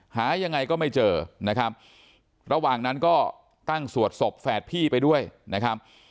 หายังไงก็ไม่เจอนะครับระหว่างนั้นก็ตั้งสวดศพแฝดพี่ไปด้วยนะครับ